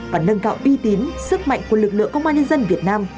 và nâng cạo y tín sức mạnh của lực lượng công an nhân dân việt nam